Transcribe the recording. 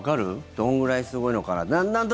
どんぐらいすごいのか。